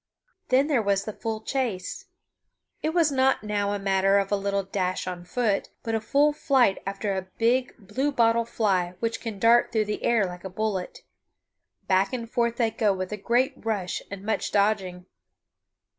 Then there was the full chase. It was not now a matter of a little dash on foot, but a full flight after a big blue bottle fly which can dart through the air like a bullet. Back and forth they go with a great rush and much dodging.